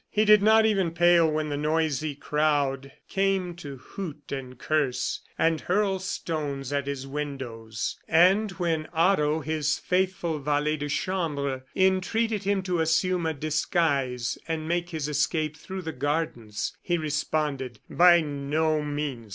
He did not even pale when the noisy crowd came to hoot and curse and hurl stones at his windows; and when Otto, his faithful valet de chambre, entreated him to assume a disguise and make his escape through the gardens, he responded: "By no means!